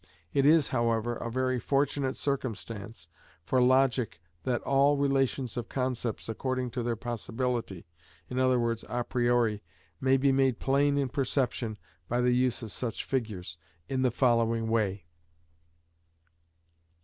It is, however, a very fortunate circumstance for logic that all the relations of concepts, according to their possibility, i.e., a priori, may be made plain in perception by the use of such figures, in the following way:— (1.)